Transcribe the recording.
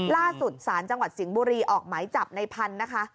ล่าสุดศาลจังหวัดสิงห์บุรีออกหมายจับในพันธุ์นะคะ